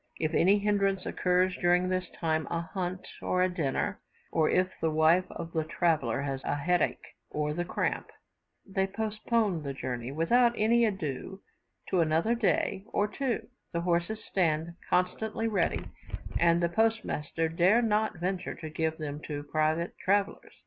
If any hindrance occurs during this time a hunt or a dinner or if the wife of the traveller has a headache or the cramp, they postpone the journey without any ado to another day or two; the horses stand constantly ready, and the postmaster dare not venture to give them to private travellers.